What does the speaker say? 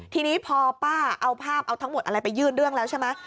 ทีนี้พอป้าเอาภาพเอาทั้งหมดอะไรไปยื่นเรื่องแล้วใช่ไหม